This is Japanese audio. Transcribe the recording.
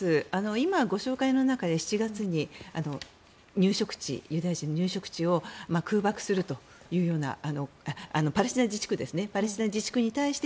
今ご紹介の中で７月に入植地ユダヤ人の入植地を空爆するというようなパレスチナ自治区ですね。